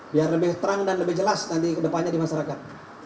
biar lebih terang dan lebih jelas nanti ke depannya di masyarakat